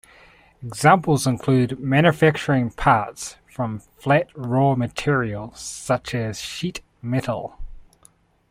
Examples include manufacturing parts from flat raw material such as sheet metal.